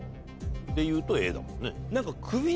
でいうとＡだもんね。